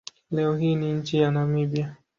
Leo hii ni nchi ya Namibia.